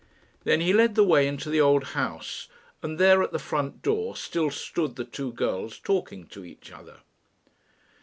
Then he led the way into the old house, and there at the front door still stood the two girls talking to each other.